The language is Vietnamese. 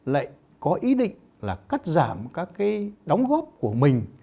lại có ý định là cắt giảm các cái đóng góp của mình